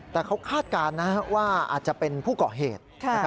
แต่เขาคาดการณ์ว่าอาจจะเป็นผู้ก่อเหตุ